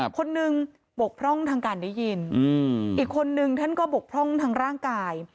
คนหนึ่งบกพร่องทางการได้ยินอีกคนนึงท่านก็บกพร่องทางร่างกาย